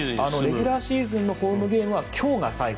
レギュラーシーズンのホームゲームは今日が最後。